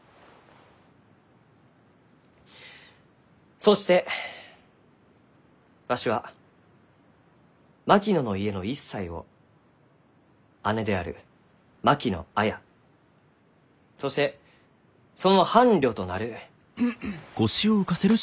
そしてわしは槙野の家の一切を姉である槙野綾そしてその伴侶となる。